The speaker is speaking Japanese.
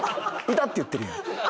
「痛っ！」って言ってるやん。